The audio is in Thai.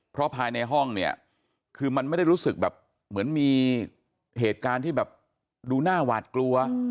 เพราะภายในห้องเนี่ยคือมันไม่ได้รู้สึกแบบเหมือนมีเหตุการณ์ที่แบบดูหน้าหวาดกลัว